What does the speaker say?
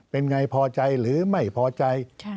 เป็นอย่างไรพอใจหรือไม่พอใจ